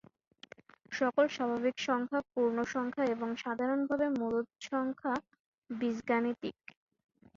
সকল স্বাভাবিক সংখ্যা, পূর্ণ সংখ্যা, এবং, সাধারণভাবে, মূলদ সংখ্যা বীজগাণিতিক।